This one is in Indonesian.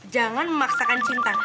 jangan memaksakan cinta